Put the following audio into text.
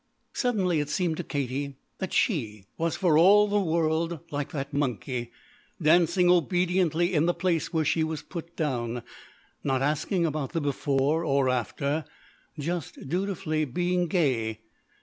Suddenly it seemed to Katie that she was for all the world like that monkey dancing obediently in the place where she was put down, not asking about the before or after, just dutifully being gay.